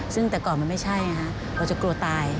ซึ่งแต่ก่อนมันไม่ใช่เราจะกลัวตาย